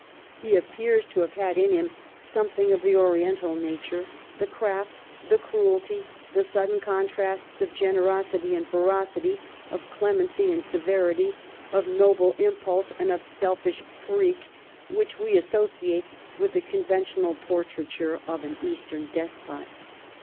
He appears to have had in him something of the Oriental nature, the craft, the cruelty, the sudden contrasts of generosity and ferocity, of clemency and severity, of noble impulse and of selfish freak which we associate with the conventional portraiture of an East ern despot.